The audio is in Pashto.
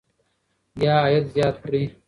یا عاید زیات کړئ.